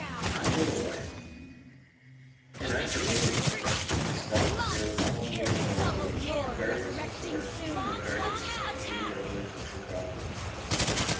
Illinois: Enact a Bayne law, and stop the sale of all native wild game, regardless of source, and regardless of the gay revelers of Chicago.